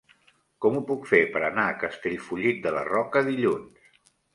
Com ho puc fer per anar a Castellfollit de la Roca dilluns?